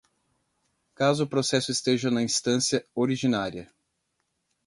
caso o processo esteja na instância originária: